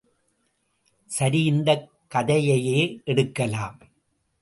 சரி இந்தக் கதையையே எடுக்கலாம்.